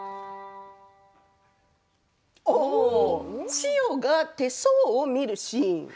千代が手相を見るシーン